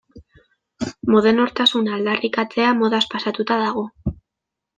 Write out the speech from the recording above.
Modernotasuna aldarrikatzea modaz pasatuta dago.